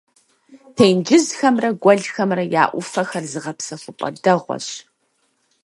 Тенджызхэмрэ гуэлхэмрэ я Ӏуфэхэр зыгъэпсэхупӀэ дэгъуэщ.